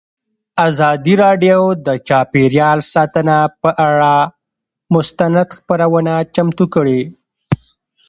ازادي راډیو د چاپیریال ساتنه پر اړه مستند خپرونه چمتو کړې.